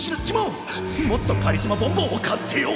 もっとカリスマボンボンを買っておかなきゃ！